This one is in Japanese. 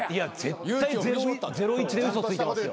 絶対ゼロイチで嘘ついてますよ。